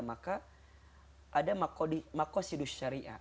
maka ada makosidus syariat